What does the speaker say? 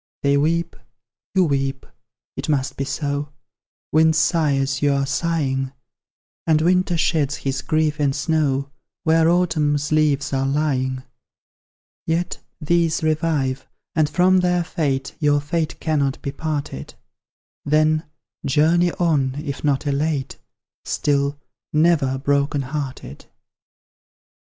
They weep, you weep, it must be so; Winds sigh as you are sighing, And winter sheds its grief in snow Where Autumn's leaves are lying: Yet, these revive, and from their fate Your fate cannot be parted: Then, journey on, if not elate, Still, NEVER broken hearted!